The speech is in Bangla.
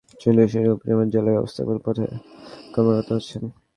আহত তাজুল ইসলাম একটি ওষুধ শিল্প প্রতিষ্ঠানের ব্রাহ্মণবাড়িয়া জেলা ব্যবস্থাপক পদে কর্মরত আছেন।